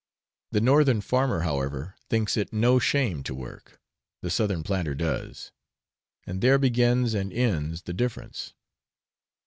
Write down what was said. The Northern farmer, however, thinks it no shame to work, the Southern planter does; and there begins and ends the difference.